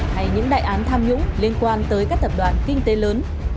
hay những đại án tham nhũng liên quan tới các tập đoàn kinh tế lớn